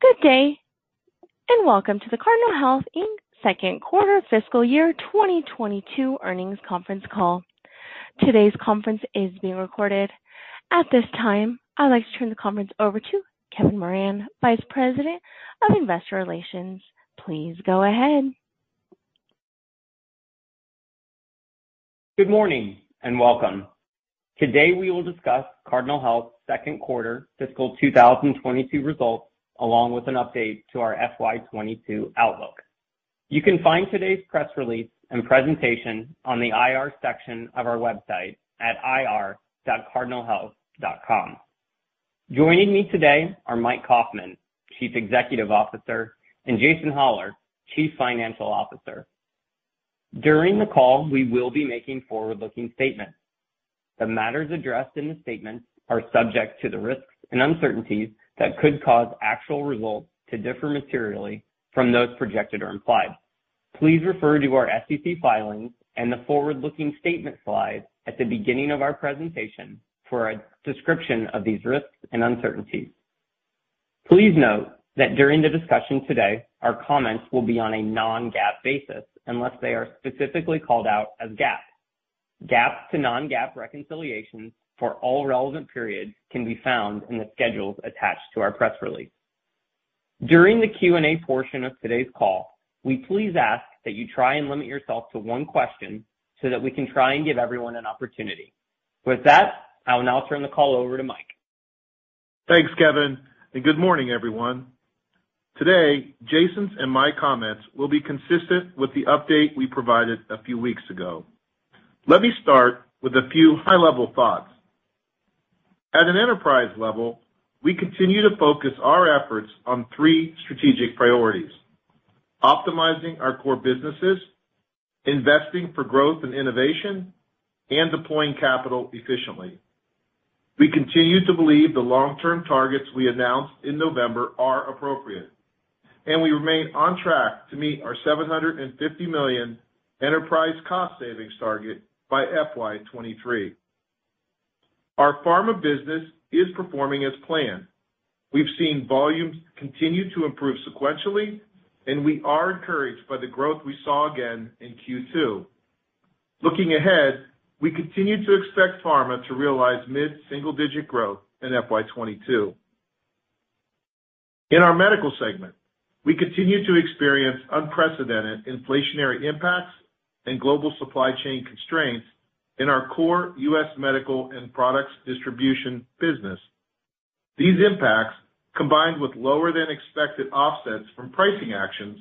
Good day, and welcome to the Cardinal Health, Inc. Q2 fiscal year 2022 earnings conference call. Today's conference is being recorded. At this time, I'd like to turn the conference over to Kevin Moran, Vice President of Investor Relations. Please go ahead. Good morning and welcome. Today we will discuss Cardinal Health Q2 fiscal 2022 results, along with an update to our FY 2022 outlook. You can find today's press release and presentation on the IR section of our website at ir.cardinalhealth.com. Joining me today are Mike Kaufmann, Chief Executive Officer, and Jason Hollar, Chief Financial Officer. During the call, we will be making forward-looking statements. The matters addressed in the statement are subject to the risks and uncertainties that could cause actual results to differ materially from those projected or implied. Please refer to our SEC filings and the forward-looking statement slide at the beginning of our presentation for a description of these risks and uncertainties. Please note that during the discussion today, our comments will be on a non-GAAP basis unless they are specifically called out as GAAP. GAAP to non-GAAP reconciliations for all relevant periods can be found in the schedules attached to our press release. During the Q&A portion of today's call, we please ask that you try and limit yourself to one question so that we can try and give everyone an opportunity. With that, I will now turn the call over to Mike. Thanks, Kevin, and good morning, everyone. Today, Jason and my comments will be consistent with the update we provided a few weeks ago. Let me start with a few high-level thoughts. At an enterprise level, we continue to focus our efforts on three strategic priorities, optimizing our core businesses, investing for growth and innovation, and deploying capital efficiently. We continue to believe the long-term targets we announced in November are appropriate, and we remain on track to meet our $750 million enterprise cost savings target by FY 2023. Our pharma business is performing as planned. We've seen volumes continue to improve sequentially, and we are encouraged by the growth we saw again in Q2. Looking ahead, we continue to expect pharma to realize mid-single-digit growth in FY 2022. In our Medical segment, we continue to experience unprecedented inflationary impacts and global supply chain constraints in our core U.S. medical and products distribution business. These impacts, combined with lower than expected offsets from pricing actions,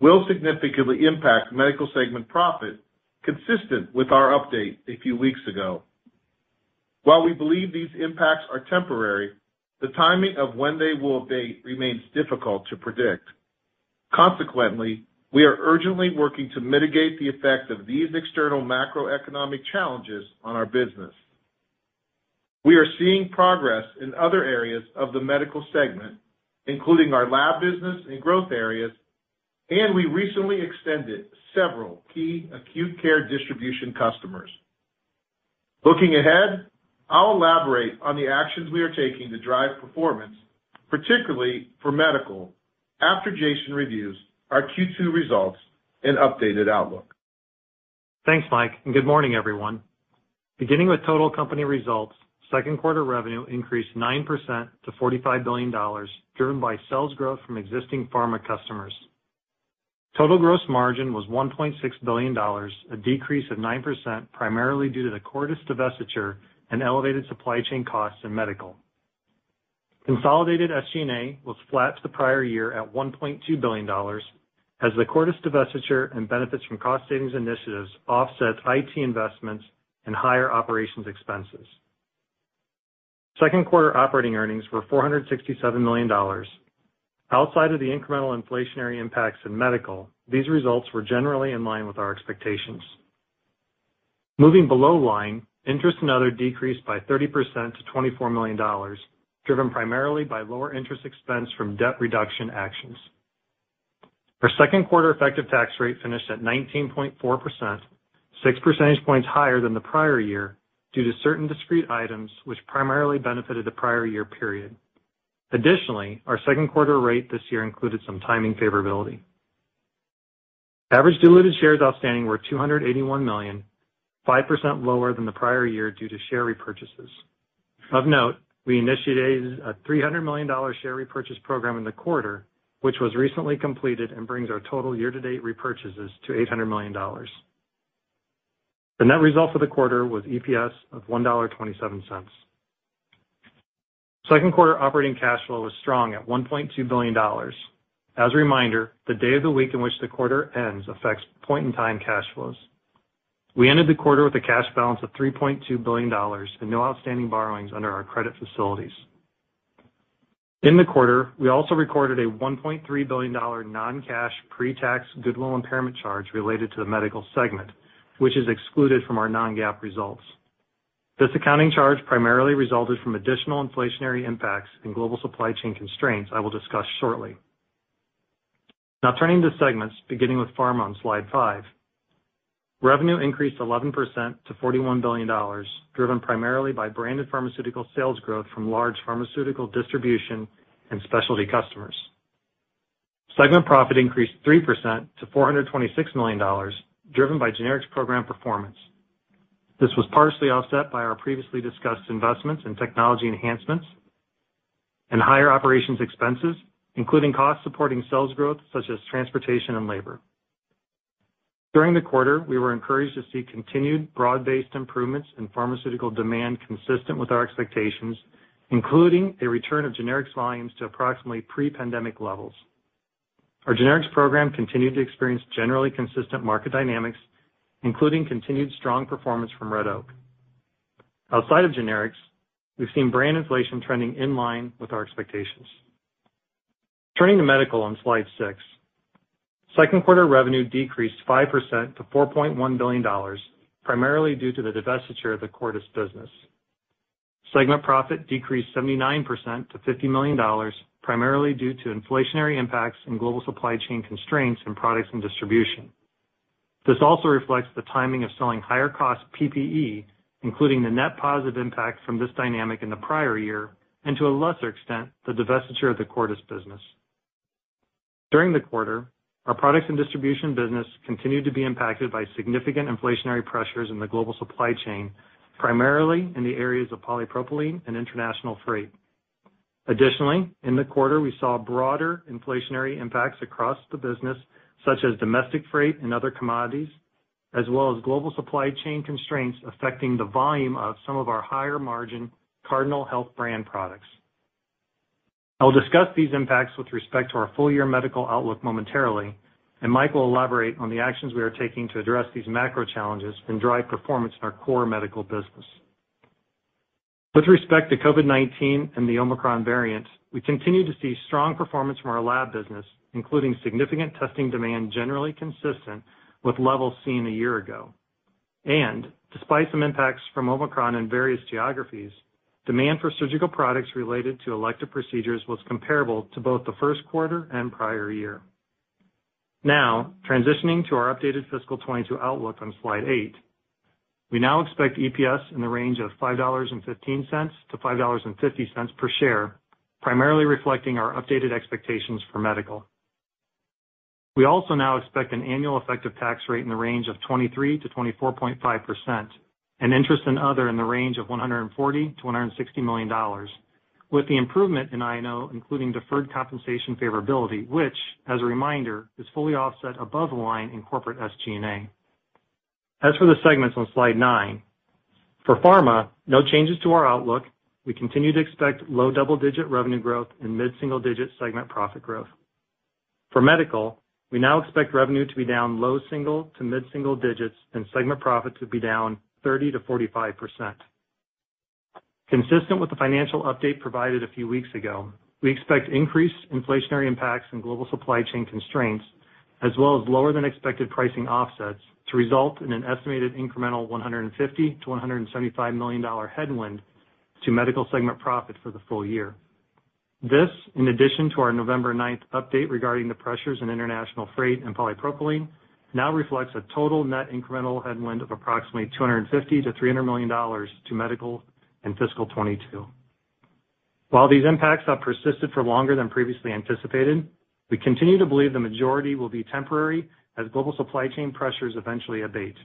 will significantly impact Medical segment profit consistent with our update a few weeks ago. While we believe these impacts are temporary, the timing of when they will be remains difficult to predict. Consequently, we are urgently working to mitigate the effect of these external macroeconomic challenges on our business. We are seeing progress in other areas of the Medical segment, including our lab business and growth areas, and we recently extended several key acute care distribution customers. Looking ahead, I'll elaborate on the actions we are taking to drive performance, particularly for medical, after Jason reviews our Q2 results and updated outlook. Thanks, Mike, and good morning, everyone. Beginning with total company results, Q2 revenue increased 9% to $45 billion, driven by sales growth from existing pharma customers. Total gross margin was $1.6 billion, a decrease of 9%, primarily due to the Cordis divestiture and elevated supply chain costs in medical. Consolidated SG&A was flat to the prior year at $1.2 billion as the Cordis divestiture and benefits from cost savings initiatives offset IT investments and higher operations expenses. Q2 operating earnings were $467 million. Outside of the incremental inflationary impacts in medical, these results were generally in line with our expectations. Moving below line, interest and other decreased by 30% to $24 million, driven primarily by lower interest expense from debt reduction actions. Our Q2 effective tax rate finished at 19.4%, 6 percentage points higher than the prior year due to certain discrete items which primarily benefited the prior year period. Additionally, our Q2 rate this year included some timing favorability. Average diluted shares outstanding were 281 million, 5% lower than the prior year due to share repurchases. Of note, we initiated a $300 million share repurchase program in the quarter, which was recently completed and brings our total year-to-date repurchases to $800 million. The net result for the quarter was EPS of $1.27. Q2 operating cash flow was strong at $1.2 billion. As a reminder, the day of the week in which the quarter ends affects point-in-time cash flows. We ended the quarter with a cash balance of $3.2 billion and no outstanding borrowings under our credit facilities. In the quarter, we also recorded a $1.3 billion non-cash pre-tax goodwill impairment charge related to the medical segment, which is excluded from our non-GAAP results. This accounting charge primarily resulted from additional inflationary impacts and global supply chain constraints I will discuss shortly. Now turning to segments, beginning with pharma on slide 5. Revenue increased 11% to $41 billion, driven primarily by branded pharmaceutical sales growth from large pharmaceutical distribution and specialty customers. Segment profit increased 3% to $426 million, driven by generics program performance. This was partially offset by our previously discussed investments in technology enhancements and higher operations expenses, including costs supporting sales growth such as transportation and labor. During the quarter, we were encouraged to see continued broad-based improvements in pharmaceutical demand consistent with our expectations, including a return of generics volumes to approximately pre-pandemic levels. Our generics program continued to experience generally consistent market dynamics, including continued strong performance from Red Oak. Outside of generics, we've seen brand inflation trending in line with our expectations. Turning to Medical on slide 6. Q2 revenue decreased 5% to $4.1 billion, primarily due to the divestiture of the Cordis business. Segment profit decreased 79% to $50 million, primarily due to inflationary impacts and global supply chain constraints in products and distribution. This also reflects the timing of selling higher cost PPE, including the net positive impact from this dynamic in the prior year, and to a lesser extent, the divestiture of the Cordis business. During the quarter, our products and distribution business continued to be impacted by significant inflationary pressures in the global supply chain, primarily in the areas of polypropylene and international freight. Additionally, in the quarter, we saw broader inflationary impacts across the business, such as domestic freight and other commodities, as well as global supply chain constraints affecting the volume of some of our higher margin Cardinal Health brand products. I'll discuss these impacts with respect to our full-year medical outlook momentarily, and Mike will elaborate on the actions we are taking to address these macro challenges and drive performance in our core medical business. With respect to COVID-19 and the Omicron variant, we continue to see strong performance from our lab business, including significant testing demand generally consistent with levels seen a year ago. Despite some impacts from Omicron in various geographies, demand for surgical products related to elective procedures was comparable to both the Q1 and prior year. Now, transitioning to our updated fiscal 2022 outlook on slide 8, we now expect EPS in the range of $5.15-$5.50 per share, primarily reflecting our updated expectations for Medical. We also now expect an annual effective tax rate in the range of 23%-24.5%, and interest and other in the range of $140 million-$160 million, with the improvement in I&O including deferred compensation favorability, which, as a reminder, is fully offset above the line in corporate SG&A. As for the segments on slide 9, for Pharma, no changes to our outlook. We continue to expect low double-digit revenue growth and mid-single digit segment profit growth. For medical, we now expect revenue to be down low single- to mid-single digits and segment profit to be down 30%-45%. Consistent with the financial update provided a few weeks ago, we expect increased inflationary impacts and global supply chain constraints, as well as lower than expected pricing offsets, to result in an estimated incremental $150 million-$175 million headwind to medical segment profit for the full year. This, in addition to our November ninth update regarding the pressures in international freight and polypropylene, now reflects a total net incremental headwind of approximately $250 million-$300 million to medical in fiscal 2022. While these impacts have persisted for longer than previously anticipated, we continue to believe the majority will be temporary as global supply chain pressures eventually abate.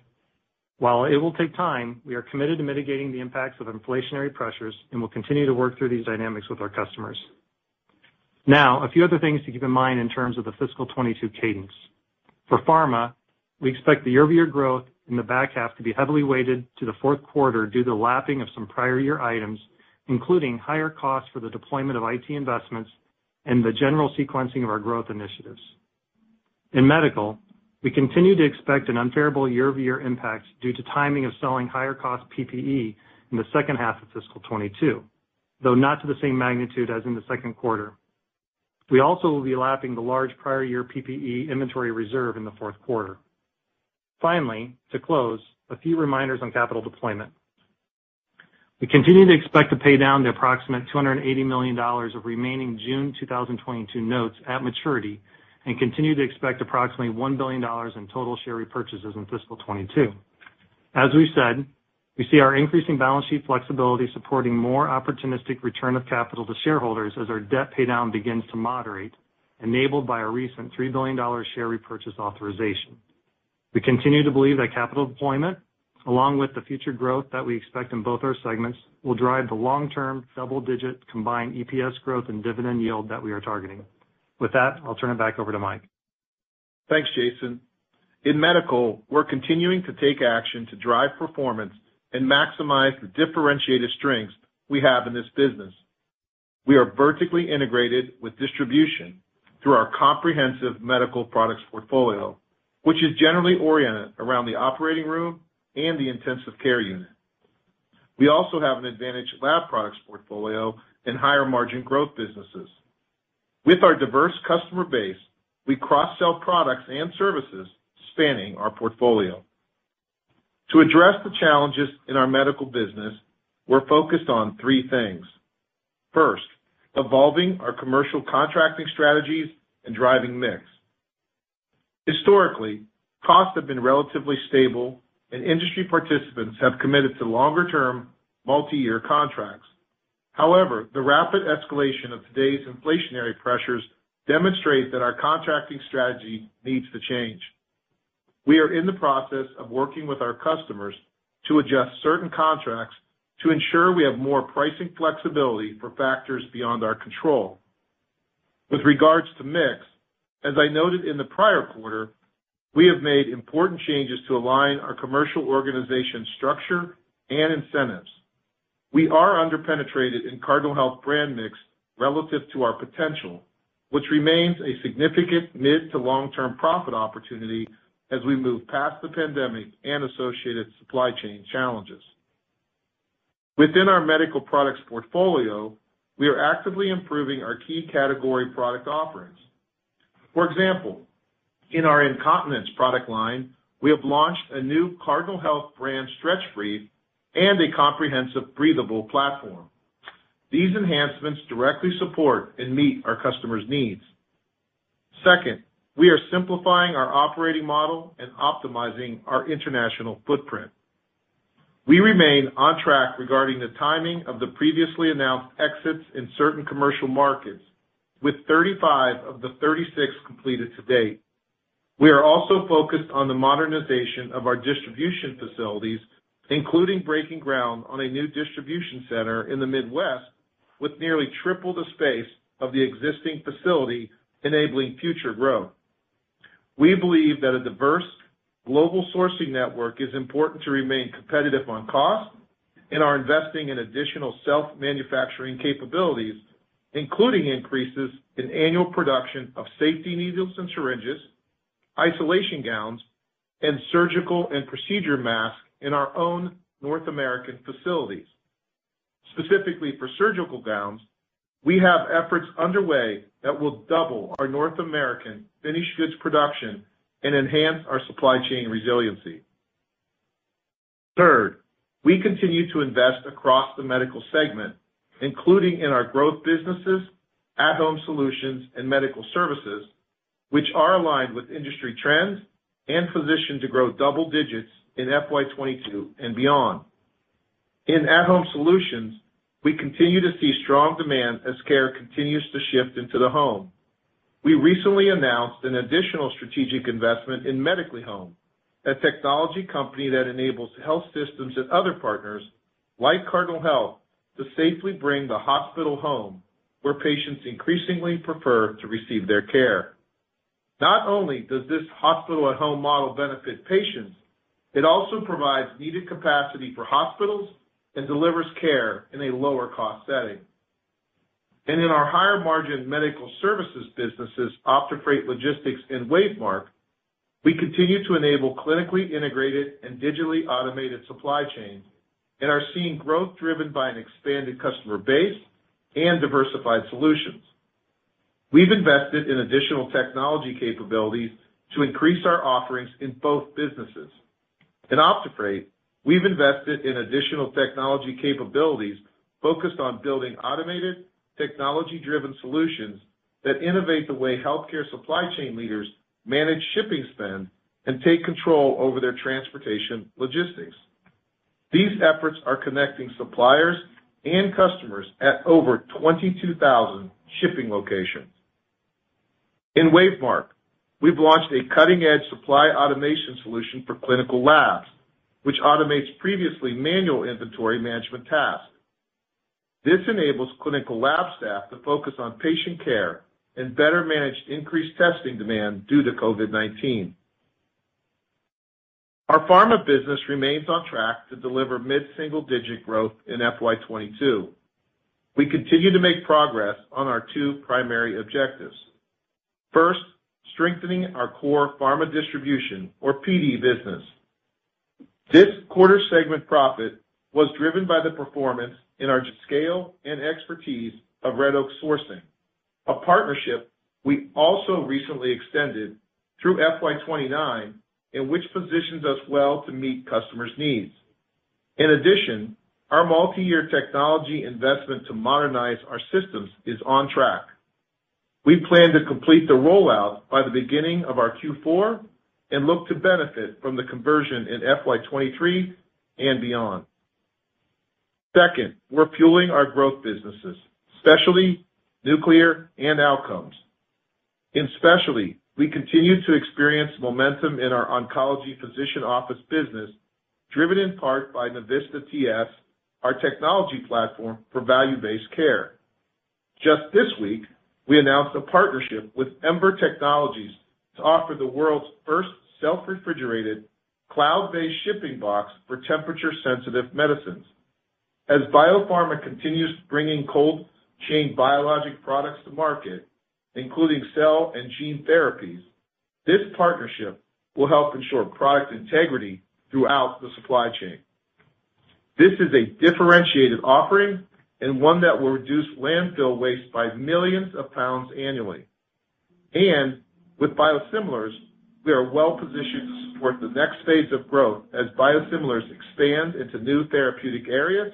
While it will take time, we are committed to mitigating the impacts of inflationary pressures and will continue to work through these dynamics with our customers. Now, a few other things to keep in mind in terms of the fiscal 2022 cadence. For pharma, we expect the year-over-year growth in the back half to be heavily weighted to the Q4 due to the lapping of some prior year items, including higher costs for the deployment of IT investments and the general sequencing of our growth initiatives. In medical, we continue to expect an unfavorable year-over-year impact due to timing of selling higher cost PPE in the H2 of fiscal 2022, though not to the same magnitude as in the Q2. We also will be lapping the large prior year PPE inventory reserve in the Q4. Finally, to close, a few reminders on capital deployment. We continue to expect to pay down the approximate $280 million of remaining June 2022 notes at maturity and continue to expect approximately $1 billion in total share repurchases in fiscal 2022. As we've said, we see our increasing balance sheet flexibility supporting more opportunistic return of capital to shareholders as our debt pay down begins to moderate, enabled by our recent $3 billion share repurchase authorization. We continue to believe that capital deployment, along with the future growth that we expect in both our segments, will drive the long-term double-digit combined EPS growth and dividend yield that we are targeting. With that, I'll turn it back over to Mike. Thanks, Jason. In medical, we're continuing to take action to drive performance and maximize the differentiated strengths we have in this business. We are vertically integrated with distribution through our comprehensive medical products portfolio, which is generally oriented around the operating room and the intensive care unit. We also have an advantaged lab products portfolio and higher margin growth businesses. With our diverse customer base, we cross-sell products and services spanning our portfolio. To address the challenges in our medical business, we're focused on three things. First, evolving our commercial contracting strategies and driving mix. Historically, costs have been relatively stable and industry participants have committed to longer-term multi-year contracts. However, the rapid escalation of today's inflationary pressures demonstrate that our contracting strategy needs to change. We are in the process of working with our customers to adjust certain contracts to ensure we have more pricing flexibility for factors beyond our control. With regards to mix, as I noted in the prior quarter, we have made important changes to align our commercial organization structure and incentives. We are under-penetrated in Cardinal Health brand mix relative to our potential, which remains a significant mid to long-term profit opportunity as we move past the pandemic and associated supply chain challenges. Within our medical products portfolio, we are actively improving our key category product offerings. For example, in our incontinence product line, we have launched a new Cardinal Health brand stretch free and a comprehensive breathable platform. These enhancements directly support and meet our customers' needs. Second, we are simplifying our operating model and optimizing our international footprint. We remain on track regarding the timing of the previously announced exits in certain commercial markets with 35 of the 36 completed to date. We are also focused on the modernization of our distribution facilities, including breaking ground on a new distribution center in the Midwest with nearly triple the space of the existing facility, enabling future growth. We believe that a diverse global sourcing network is important to remain competitive on cost and are investing in additional self-manufacturing capabilities, including increases in annual production of safety needles and syringes, isolation gowns, and surgical and procedure masks in our own North American facilities. Specifically for surgical gowns, we have efforts underway that will double our North American finished goods production and enhance our supply chain resiliency. Third, we continue to invest across the medical segment, including in our growth businesses, at-home solutions and medical services, which are aligned with industry trends and positioned to grow double digits in FY 2022 and beyond. In at-home solutions, we continue to see strong demand as care continues to shift into the home. We recently announced an additional strategic investment in Medically Home, a technology company that enables health systems and other partners like Cardinal Health to safely bring the hospital home where patients increasingly prefer to receive their care. Not only does this hospital at-home model benefit patients, it also provides needed capacity for hospitals and delivers care in a lower cost setting. In our higher margin medical services businesses, OptiFreight Logistics and WaveMark, we continue to enable clinically integrated and digitally automated supply chains and are seeing growth driven by an expanded customer base and diversified solutions. We've invested in additional technology capabilities to increase our offerings in both businesses. In OptiFreight, we've invested in additional technology capabilities focused on building automated technology-driven solutions that innovate the way healthcare supply chain leaders manage shipping spend and take control over their transportation logistics. These efforts are connecting suppliers and customers at over 22,000 shipping locations. In WaveMark, we've launched a cutting-edge supply automation solution for clinical labs, which automates previously manual inventory management tasks. This enables clinical lab staff to focus on patient care and better manage increased testing demand due to COVID-19. Our pharma business remains on track to deliver mid-single-digit growth in FY 2022. We continue to make progress on our two primary objectives. First, strengthening our core pharma distribution or PD business. This quarter segment profit was driven by the performance in our scale and expertise of Red Oak Sourcing, a partnership we also recently extended through FY 2029, which positions us well to meet customers' needs. In addition, our multi-year technology investment to modernize our systems is on track. We plan to complete the rollout by the beginning of our Q4 and look to benefit from the conversion in FY 2023 and beyond. Second, we're fueling our growth businesses, Specialty, Nuclear, and Outcomes. In Specialty, we continue to experience momentum in our oncology physician office business, driven in part by Navista TS, our technology platform for value-based care. Just this week, we announced a partnership with Ember Technologies to offer the world's first self-refrigerated cloud-based shipping box for temperature-sensitive medicines. As biopharma continues bringing cold chain biologic products to market, including cell and gene therapies, this partnership will help ensure product integrity throughout the supply chain. This is a differentiated offering and one that will reduce landfill waste by millions of pounds annually. With biosimilars, we are well-positioned to support the next phase of growth as Biosimilars expand into new therapeutic areas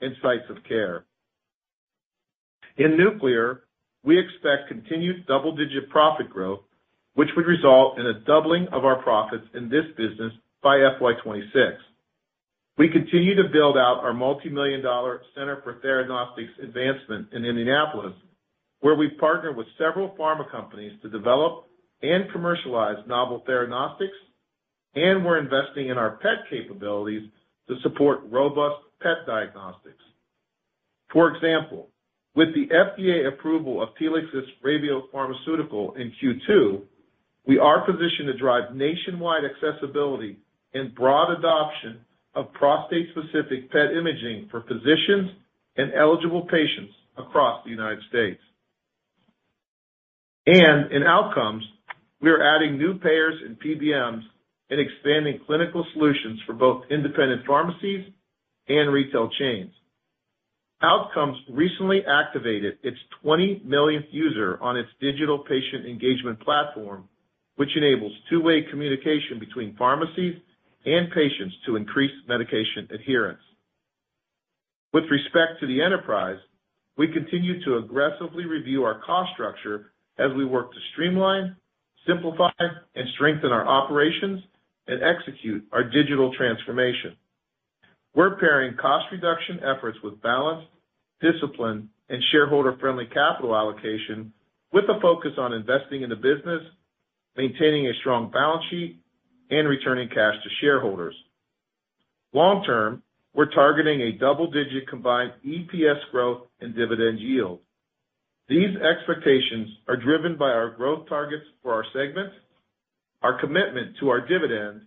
and sites of care. In nuclear, we expect continued double-digit profit growth, which would result in a doubling of our profits in this business by FY 2026. We continue to build out our multimillion-dollar center for Theranostics advancement in Indianapolis, where we partner with several pharma companies to develop and commercialize novel Theranostics, and we're investing in our pet capabilities to support robust pet diagnostics. For example, with the FDA approval of Telix's radio pharmaceutical in Q2, we are positioned to drive nationwide accessibility and broad adoption of prostate-specific pet imaging for physicians and eligible patients across the United States. In Outcomes, we are adding new payers and PBMs and expanding clinical solutions for both independent pharmacies and retail chains. Outcomes recently activated its 20 millionth user on its digital patient engagement platform, which enables two-way communication between pharmacies and patients to increase medication adherence. With respect to the enterprise, we continue to aggressively review our cost structure as we work to streamline, simplify, and strengthen our operations and execute our digital transformation. We're pairing cost reduction efforts with balanced discipline and shareholder-friendly capital allocation with a focus on investing in the business, maintaining a strong balance sheet, and returning cash to shareholders. Long term, we're targeting a double-digit combined EPS growth and dividend yield. These expectations are driven by our growth targets for our segments, our commitment to our dividend,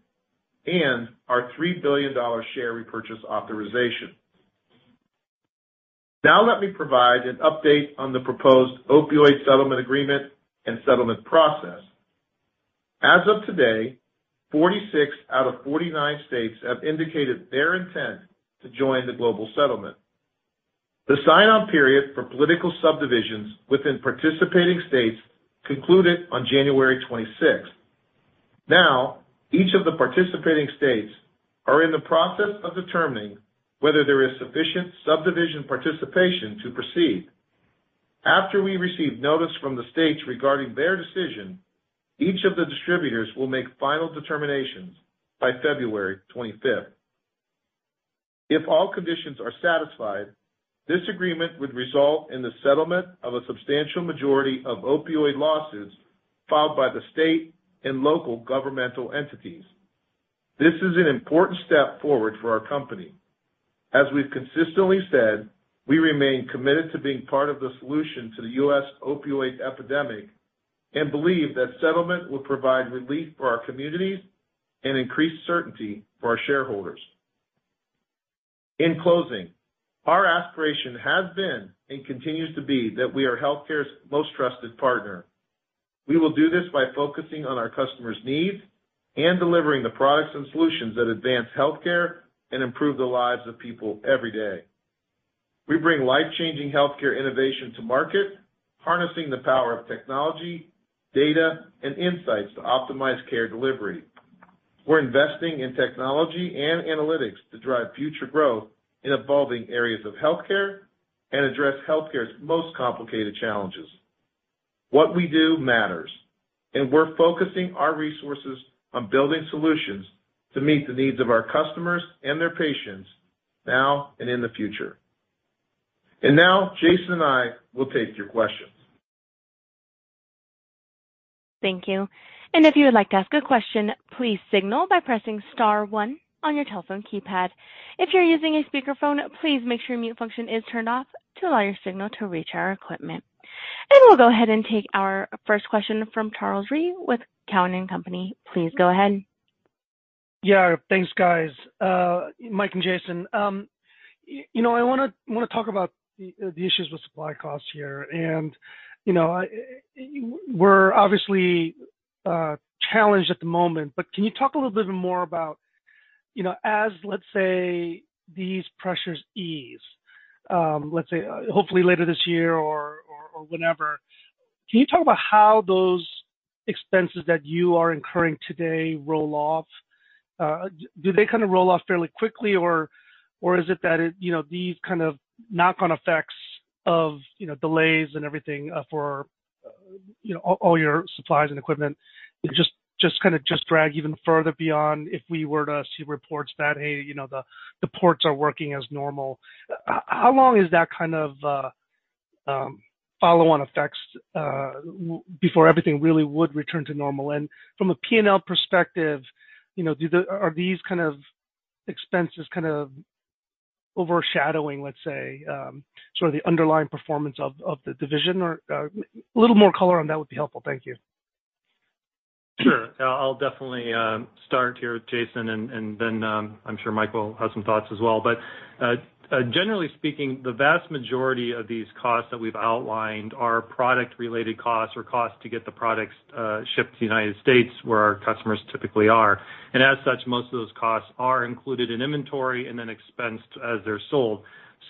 and our $3 billion share repurchase authorization. Now let me provide an update on the proposed opioid settlement agreement and settlement process. As of today, 46 out of 49 states have indicated their intent to join the global settlement. The sign-on period for political subdivisions within participating states concluded on January 26th. Now, each of the participating states are in the process of determining whether there is sufficient subdivision participation to proceed. After we receive notice from the states regarding their decision, each of the distributors will make final determinations by February 25th. If all conditions are satisfied, this agreement would result in the settlement of a substantial majority of opioid lawsuits filed by the state and local governmental entities. This is an important step forward for our company. As we've consistently said, we remain committed to being part of the solution to the U.S. opioid epidemic and believe that settlement will provide relief for our communities and increase certainty for our shareholders. In closing, our aspiration has been and continues to be that we are healthcare's most trusted partner. We will do this by focusing on our customers' needs and delivering the products and solutions that advance healthcare and improve the lives of people every day. We bring life-changing healthcare innovation to market, harnessing the power of technology, data, and insights to optimize care delivery. We're investing in technology and analytics to drive future growth in evolving areas of healthcare and address healthcare's most complicated challenges. What we do matters, and we're focusing our resources on building solutions to meet the needs of our customers and their patients now and in the future. Now Jason and I will take your questions. Thank you. If you would like to ask a question, please signal by pressing star one on your telephone keypad. If you're using a speakerphone, please make sure mute function is turned off to allow your signal to reach our equipment. We'll go ahead and take our first question from Charles Rhyee with Cowen and Company. Please go ahead. Yeah. Thanks, guys. Mike and jason I wanna talk about the issues with supply costs here. You know, we're obviously challenged at the moment, but can you talk a little bit more about as let's say, these pressures ease, let's say hopefully later this year or whenever. Can you talk about how those expenses that you are incurring today roll off? Do they kinda roll off fairly quickly or is it that these kind of knock-on effects of delays and everything, for all your supplies and equipment kinda drag even further beyond if we were to see reports that, hey the ports are working as normal? How long is that kind of follow-on effects before everything really would return to normal? From a P&L perspective are these kind of expenses kind of overshadowing, let's say, sort of the underlying performance of the division? Or, a little more color on that would be helpful. Thank you. Sure. I'll definitely start here with Jason and then I'm sure Mike will have some thoughts as well. Generally speaking, the vast majority of these costs that we've outlined are product-related costs or costs to get the products shipped to the United States where our customers typically are. As such, most of those costs are included in inventory and then expensed as they're sold.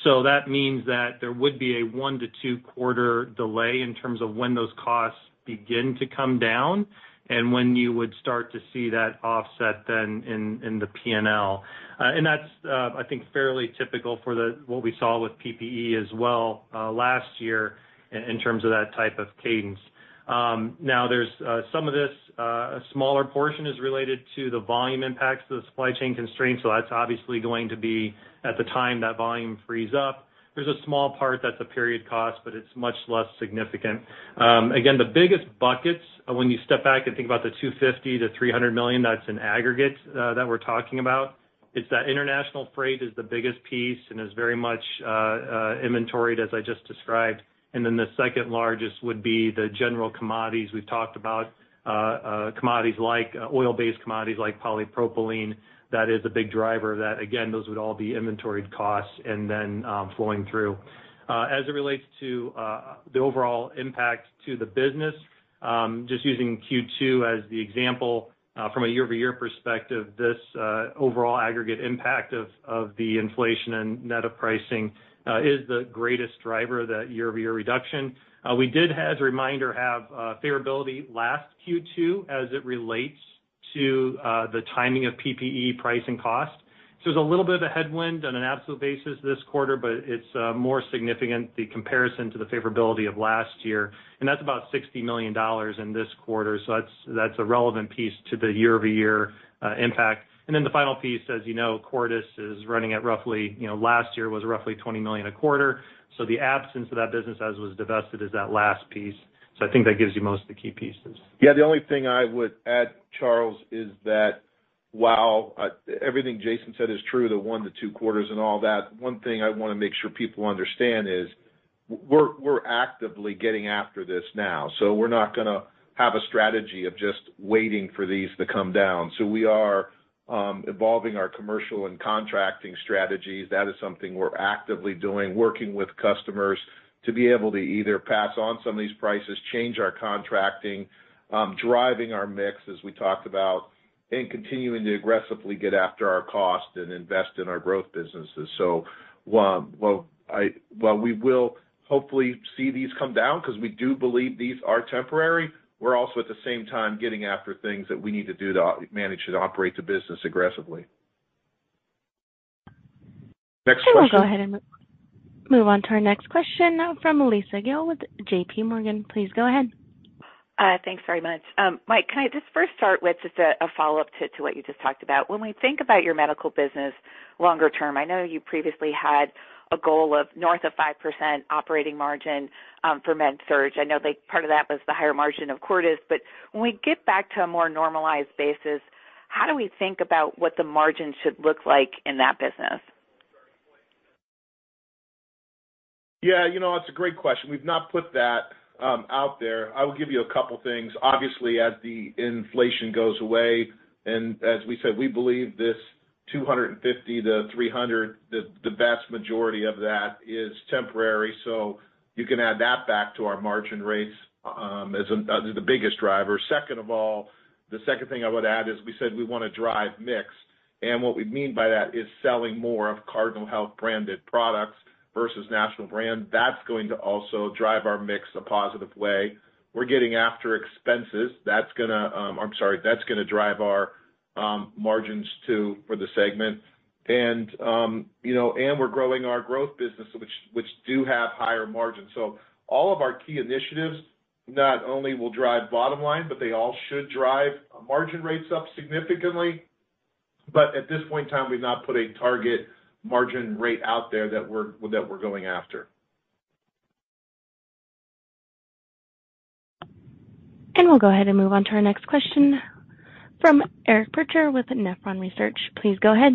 That means that there would be a 1-2 quarter delay in terms of when those costs begin to come down and when you would start to see that offset then in the PNL. I think that's fairly typical for what we saw with PPE as well last year in terms of that type of cadence. Now there's some of this, a smaller portion is related to the volume impacts of the supply chain constraints, so that's obviously going to be at the time that volume frees up. There's a small part that's a period cost, but it's much less significant. Again, the biggest buckets when you step back and think about the $250 million-$300 million, that's an aggregate that we're talking about. It's that international freight is the biggest piece and is very much inventoried, as I just described. The second largest would be the general commodities we've talked about, commodities like oil-based commodities like polypropylene. That is a big driver that again, those would all be inventoried costs and then flowing through. As it relates to the overall impact to the business, just using Q2 as the example, from a year-over-year perspective, this overall aggregate impact of the inflation and net of pricing is the greatest driver of that year-over-year reduction. We did as a reminder, have favorability last Q2 as it relates to the timing of PPE pricing cost. There's a little bit of a headwind on an absolute basis this quarter, but it's more significant, the comparison to the favorability of last year, and that's about $60 million in this quarter. That's a relevant piece to the year-over-year impact. Then the final piece, as you know, Cordis is running at roughly last year was roughly $20 million a quarter. The absence of that business as was divested is that last piece. I think that gives you most of the key pieces. Yeah. The only thing I would add, Charles, is that while everything Jason said is true, the 1-2 quarters and all that, one thing I wanna make sure people understand is we're actively getting after this now, so we're not gonna have a strategy of just waiting for these to come down. We are evolving our commercial and contracting strategies. That is something we're actively doing, working with customers to be able to either pass on some of these prices, change our contracting, driving our mix as we talked about, and continuing to aggressively get after our cost and invest in our growth businesses. While we will hopefully see these come down 'cause we do believe these are temporary, we're also at the same time getting after things that we need to do to manage and operate the business aggressively. Next question. We'll go ahead and move on to our next question now from Lisa Gill with J.P. Morgan. Please go ahead. Thanks very much. Mike, can I just first start with just a follow-up to what you just talked about. When we think about your medical business longer term, I know you previously had a goal of north of 5% operating margin for Med-Surg. I know that part of that was the higher margin of Cordis. When we get back to a more normalized basis, how do we think about what the margin should look like in that business? Yeah. You know, it's a great question. We've not put that out there. I will give you a couple things. Obviously, as the inflation goes away, and as we said, we believe this 250-300, the vast majority of that is temporary, so you can add that back to our margin rates as the biggest driver. Second of all, the second thing I would add is we said we wanna drive mix, and what we mean by that is selling more of Cardinal Health branded products versus national brand. That's going to also drive our mix a positive way. We're getting after expenses. That's gonna, I'm sorry, that's gonna drive our margins too for the segment. You know, and we're growing our growth business, which do have higher margins. All of our key initiatives not only will drive bottom line, but they all should drive margin rates up significantly. At this point in time, we've not put a target margin rate out there that we're going after. We'll go ahead and move on to our next question from Eric Percher with Nephron Research. Please go ahead.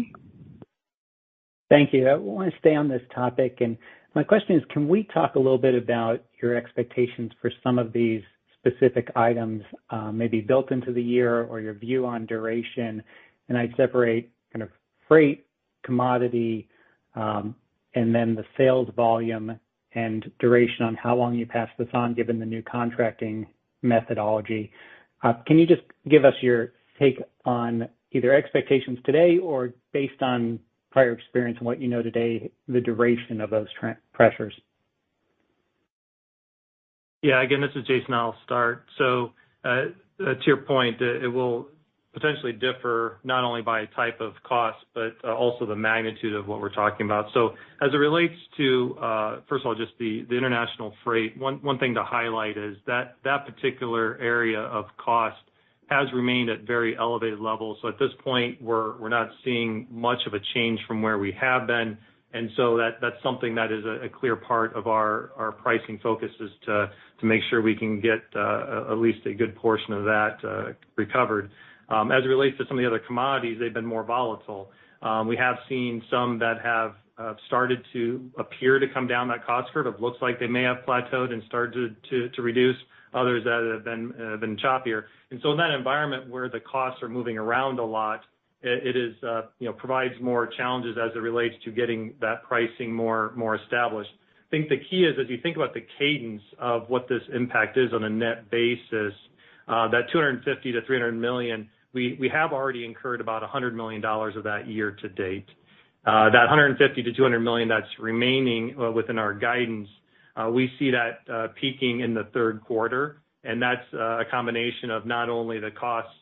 Thank you. I wanna stay on this topic, and my question is, can we talk a little bit about your expectations for some of these specific items, maybe built into the year or your view on duration? I'd separate kind of freight, commodity, and then the sales volume and duration on how long you pass this on given the new contracting methodology. Can you just give us your take on either expectations today or based on prior experience and what you know today, the duration of those pressures? Yeah. Again, this is Jason. I'll start. So, to your point, it will potentially differ not only by type of cost, but also the magnitude of what we're talking about. As it relates to, first of all, just the international freight, one thing to highlight is that that particular area of cost has remained at very elevated levels. At this point, we're not seeing much of a change from where we have been. That's something that is a clear part of our pricing focus is to make sure we can get at least a good portion of that recovered. As it relates to some of the other commodities, they've been more volatile. We have seen some that have started to appear to come down that cost curve. It looks like they may have plateaued and started to reduce, others that have been choppier. In that environment where the costs are moving around a lot, it provides more challenges as it relates to getting that pricing more established. I think the key is, as you think about the cadence of what this impact is on a net basis. That $250 million-$300 million, we have already incurred about $100 million of that year to date. That $150 million-$200 million that's remaining within our guidance, we see that peaking in the Q3, and that's a combination of not only the costs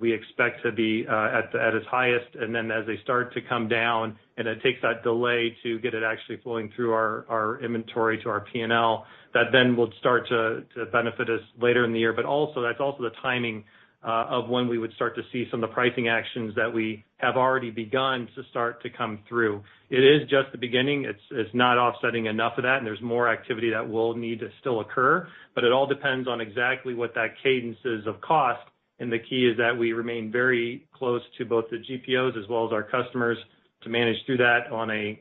we expect to be at its highest, and then as they start to come down and it takes that delay to get it actually flowing through our inventory to our P&L, that then will start to benefit us later in the year. But also, that's also the timing of when we would start to see some of the pricing actions that we have already begun to start to come through. It is just the beginning. It's not offsetting enough of that, and there's more activity that will need to still occur, but it all depends on exactly what that cadence is of cost, and the key is that we remain very close to both the GPOs as well as our customers to manage through that on a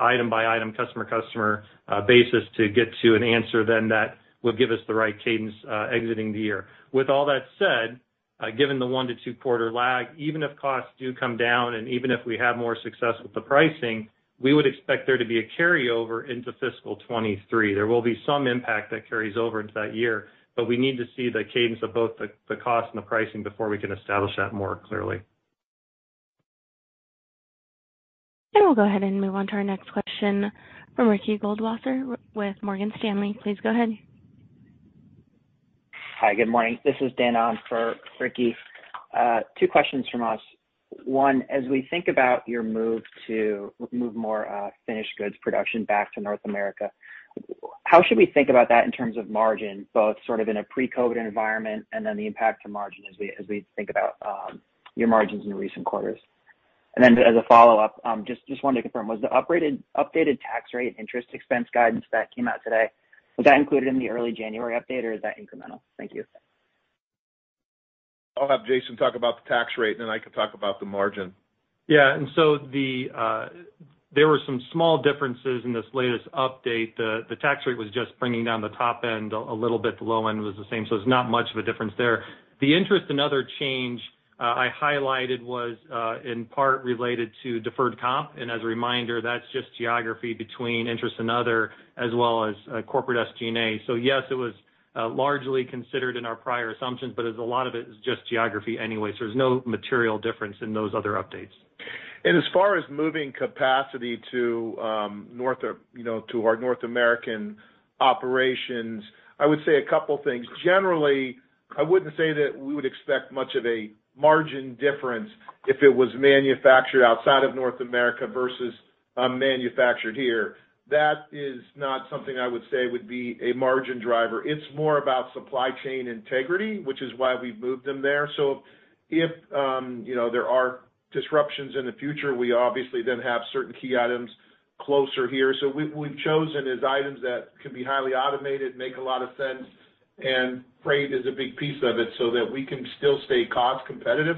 item by item customer basis to get to an answer then that will give us the right cadence exiting the year. With all that said, given the 1-2 quarter lag, even if costs do come down and even if we have more success with the pricing, we would expect there to be a carryover into fiscal 2023. There will be some impact that carries over into that year, but we need to see the cadence of both the cost and the pricing before we can establish that more clearly. We'll go ahead and move on to our next question from Ricky Goldwasser with Morgan Stanley. Please go ahead. Hi, good morning. This is Dan on for Ricky. Two questions from us. One, as we think about your move to more finished goods production back to North America, how should we think about that in terms of margin, both sort of in a pre-COVID environment and then the impact to margin as we think about your margins in recent quarters? Then as a follow-up, just wanted to confirm, was the updated tax rate interest expense guidance that came out today included in the early January update, or is that incremental? Thank you. I'll have Jason talk about the tax rate, and then I can talk about the margin. Yeah. There were some small differences in this latest update. The tax rate was just bringing down the top end a little bit. The low end was the same. It's not much of a difference there. The interest and other change I highlighted was in part related to deferred comp. As a reminder, that's just geography between interest and other as well as corporate SG&A. Yes, it was largely considered in our prior assumptions, but as a lot of it is just geography anyway, there's no material difference in those other updates. As far as moving capacity to, north of to our North American operations, I would say a couple things. Generally, I wouldn't say that we would expect much of a margin difference if it was manufactured outside of North America versus, manufactured here. That is not something I would say would be a margin driver. It's more about supply chain integrity, which is why we've moved them there. if there are disruptions in the future, we obviously then have certain key items closer here. We've chosen as items that can be highly automated, make a lot of sense, and freight is a big piece of it so that we can still stay cost competitive.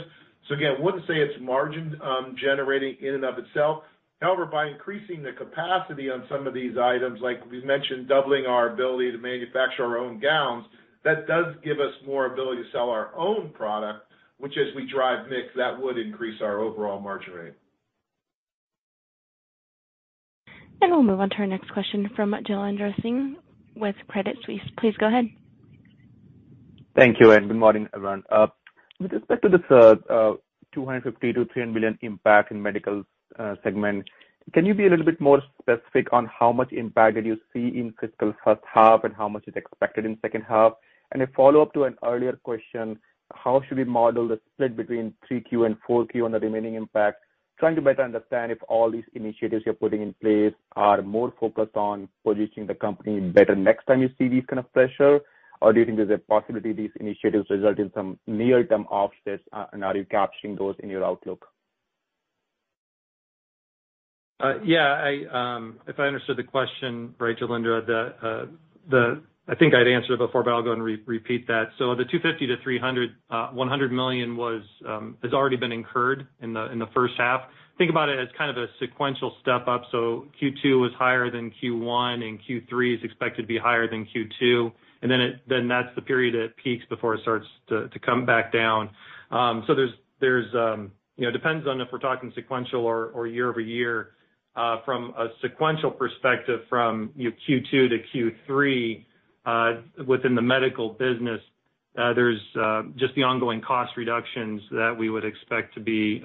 Again, wouldn't say it's margin generating in and of itself. However, by increasing the capacity on some of these items, like we've mentioned doubling our ability to manufacture our own gowns, that does give us more ability to sell our own product, which as we drive mix, that would increase our overall margin rate. We'll move on to our next question from Jailendra Singh with Credit Suisse. Please go ahead. Thank you, and good morning, everyone. With respect to this $250 million-$300 million impact in Medical segment, can you be a little bit more specific on how much impact did you see in fiscal H1 and how much is expected in H2? A follow-up to an earlier question, how should we model the split between Q3 and Q4 on the remaining impact? Trying to better understand if all these initiatives you're putting in place are more focused on positioning the company better next time you see these kind of pressure, or do you think there's a possibility these initiatives result in some near-term offsets, and are you capturing those in your outlook? Yeah. If I understood the question right, Jailendra, I think I'd answered it before, but I'll go and repeat that. The $250-$300 million, $100 million has already been incurred in the H1. Think about it as kind of a sequential step up. Q2 was higher than Q1, and Q3 is expected to be higher than Q2. That's the period it peaks before it starts to come back down. There's you know, it depends on if we're talking sequential or year-over-year. From a sequential perspective Q2 to Q3, within the Medical business, there's just the ongoing cost reductions that we would expect to be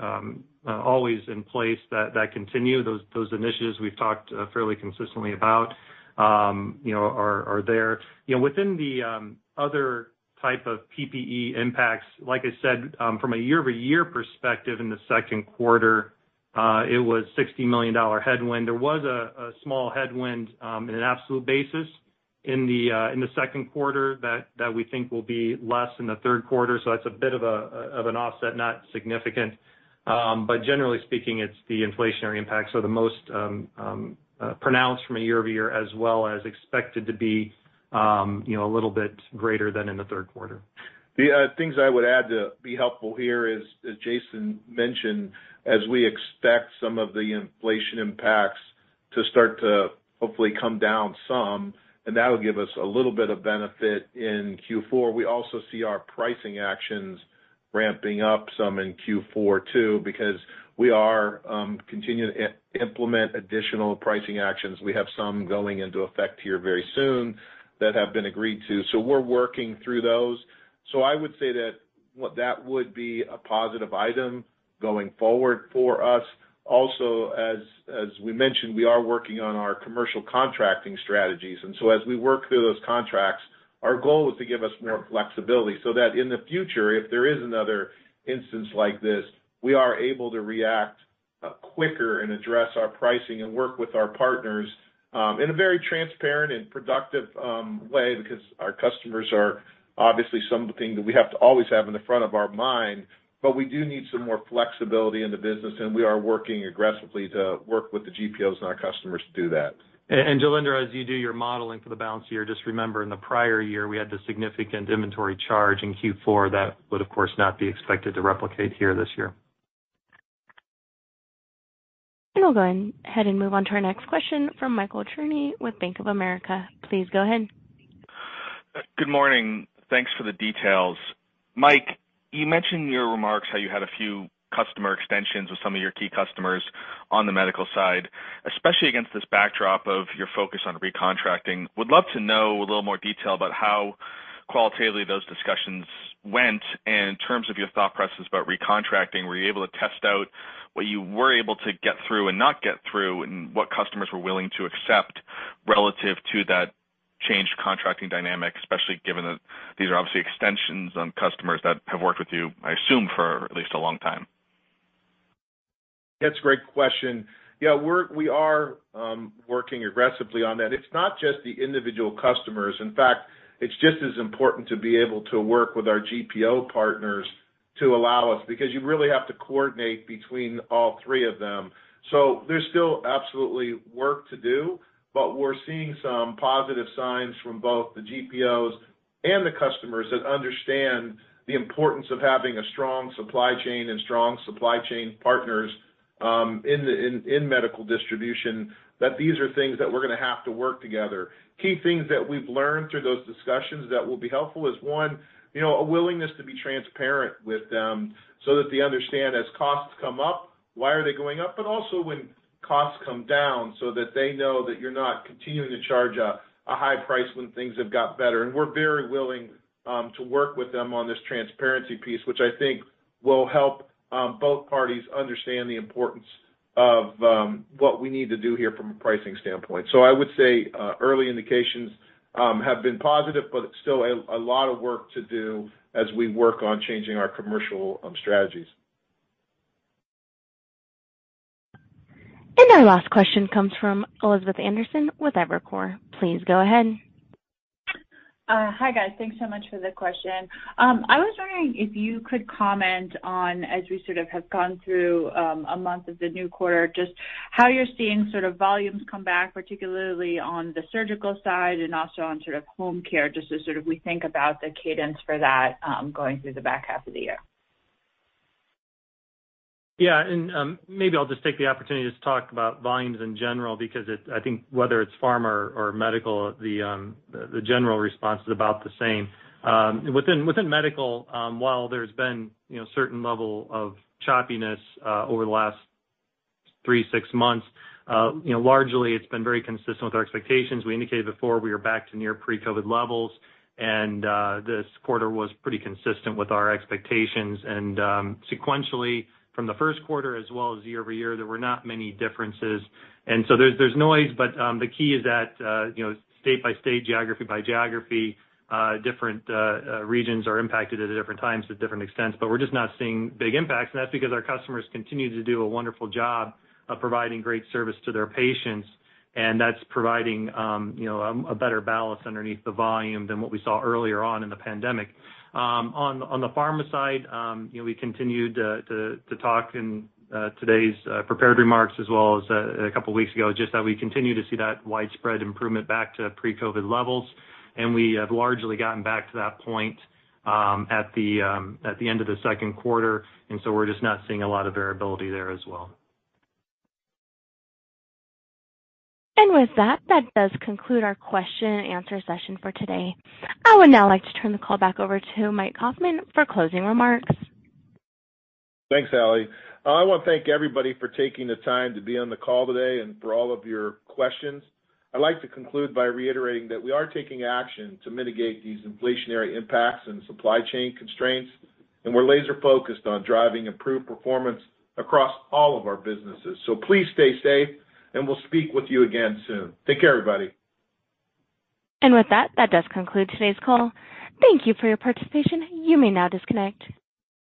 always in place that continue. Those initiatives we've talked fairly consistently about are there. You know, within the other type of PPE impacts, like I said, from a year-over-year perspective in the Q2, it was $60 million headwind. There was a small headwind in an absolute basis in the Q2 that we think will be less in the Q3. That's a bit of an offset, not significant. Generally speaking, it's the inflationary impact. The most pronounced from a year-over-year as well as expected to be a little bit greater than in the Q3. The things I would add to be helpful here is, as Jason mentioned, as we expect some of the inflation impacts to start to hopefully come down some, and that'll give us a little bit of benefit in Q4. We also see our pricing actions Ramping up some in Q4 too, because we are continuing to implement additional pricing actions. We have some going into effect here very soon that have been agreed to. We're working through those. I would say that what that would be a positive item going forward for us. Also, as we mentioned, we are working on our commercial contracting strategies. As we work through those contracts, our goal is to give us more flexibility so that in the future, if there is another instance like this, we are able to react quicker and address our pricing and work with our partners in a very transparent and productive way because our customers are obviously something that we have to always have in the front of our mind, but we do need some more flexibility in the business, and we are working aggressively to work with the GPOs and our customers to do that. Jailendra, as you do your modeling for the balance year, just remember in the prior year, we had the significant inventory charge in Q4 that would, of course, not be expected to replicate here this year. We'll go ahead and move on to our next question from Michael Cherny with Bank of America. Please go ahead. Good morning. Thanks for the details. Mike, you mentioned in your remarks how you had a few customer extensions with some of your key customers on the medical side, especially against this backdrop of your focus on recontracting. Would love to know a little more detail about how qualitatively those discussions went and in terms of your thought process about recontracting, were you able to test out what you were able to get through and not get through and what customers were willing to accept relative to that changed contracting dynamic, especially given that these are obviously extensions on customers that have worked with you, I assume, for at least a long time? That's a great question. Yeah, we are working aggressively on that. It's not just the individual customers. In fact, it's just as important to be able to work with our GPO partners to allow us, because you really have to coordinate between all three of them. There's still absolutely work to do, but we're seeing some positive signs from both the GPOs and the customers that understand the importance of having a strong supply chain and strong supply chain partners in medical distribution, that these are things that we're gonna have to work together. Key things that we've learned through those discussions that will be helpful is, one a willingness to be transparent with them so that they understand as costs come up, why are they going up, but also when costs come down so that they know that you're not continuing to charge a high price when things have got better. We're very willing to work with them on this transparency piece, which I think will help both parties understand the importance of what we need to do here from a pricing standpoint. I would say early indications have been positive, but still a lot of work to do as we work on changing our commercial strategies. Our last question comes from Elizabeth Anderson with Evercore. Please go ahead. Hi, guys. Thanks so much for the question. I was wondering if you could comment on, as we sort of have gone through a month of the new quarter, just how you're seeing sort of volumes come back, particularly on the surgical side and also on sort of home care, just as sort of we think about the cadence for that, going through the back half of the year. Yeah. Maybe I'll just take the opportunity to talk about volumes in general because I think whether it's pharma or medical, the general response is about the same. Within medical, while there's been certain level of choppiness over the last 3, 6 months largely it's been very consistent with our expectations. We indicated before we are back to near pre-COVID levels, and this quarter was pretty consistent with our expectations. Sequentially from the Q1 as well as year-over-year, there were not many differences. So there's noise, but the key is that state by state, geography by geography, different regions are impacted at different times to different extents, but we're just not seeing big impacts. That's because our customers continue to do a wonderful job of providing great service to their patients, and that's providing you know a better balance underneath the volume than what we saw earlier on in the pandemic. On the pharma side we continued to talk in today's prepared remarks as well as a couple of weeks ago, just that we continue to see that widespread improvement back to pre-COVID levels. We have largely gotten back to that point at the end of the Q2. We're just not seeing a lot of variability there as well. With that does conclude our question and answer session for today. I would now like to turn the call back over to Mike Kaufmann for closing remarks. Thanks, Allie. I want to thank everybody for taking the time to be on the call today and for all of your questions. I'd like to conclude by reiterating that we are taking action to mitigate these inflationary impacts and supply chain constraints, and we're laser focused on driving improved performance across all of our businesses. Please stay safe, and we'll speak with you again soon. Take care, everybody. With that does conclude today's call. Thank you for your participation. You may now disconnect.